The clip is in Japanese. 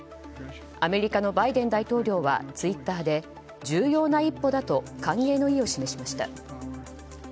アメリカのバイデン大統領はツイッターで重要な一歩だと歓迎の意を示しました。